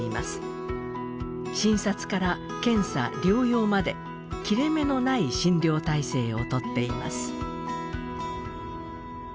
診察から検査療養まで切れ目のない診療体制を取っています。